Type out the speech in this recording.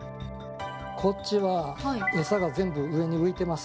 こっちは、餌が全部、上に浮いてます。